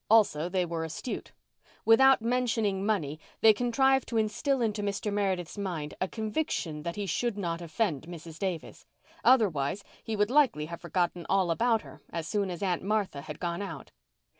Also, they were astute. Without mentioning money, they contrived to instil into Mr. Meredith's mind a conviction that he should not offend Mrs. Davis. Otherwise, he would likely have forgotten all about her as soon as Aunt Martha had gone out.